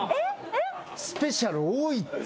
スペシャル多いって。